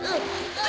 あ！